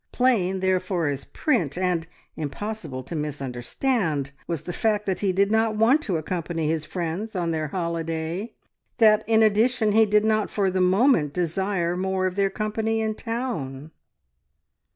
Plain, therefore, as print, and impossible to misunderstand was the fact that he did not want to accompany his friends on their holiday; that in addition he did not for the moment desire more of their company in town.